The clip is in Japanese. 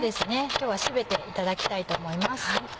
今日は全ていただきたいと思います。